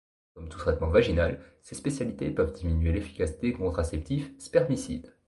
Comme tout traitement vaginal, ces spécialités peuvent diminuer l'efficacité des contraceptifs spermicides.